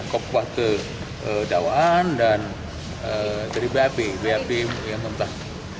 kopah ke dakwaan dan dari bap bap yang nontak